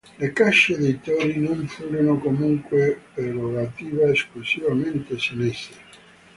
Le cacce dei tori non furono comunque prerogativa esclusivamente senese.